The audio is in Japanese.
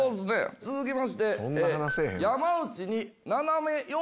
続きまして。